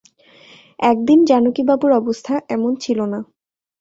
একদিন জানকীবাবুর অবস্থা এমন ছিল না।